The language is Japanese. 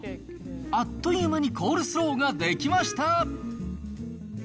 あっという間にコールスローが出来ました。